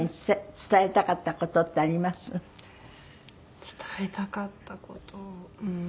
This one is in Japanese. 伝えたかった事うーん。